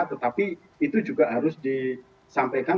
tetapi itu juga harus disampaikan